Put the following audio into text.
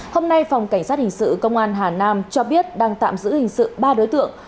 hôm nay phòng cảnh sát hình sự công an hà nam cho biết đang tạm giữ hình sự ba đối tượng